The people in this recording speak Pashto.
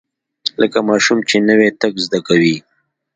لکه ماشوم چې نوى تګ زده کوي.